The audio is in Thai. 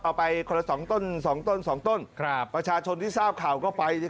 เอาไปคนละ๒ต้น๒ต้น๒ต้นประชาชนที่ทราบข่าวก็ไป